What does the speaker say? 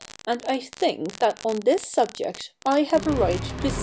And I think that on this subject I have a right to speak.'